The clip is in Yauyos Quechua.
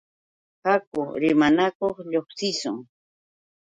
Haku rimanakuq lluqsishun.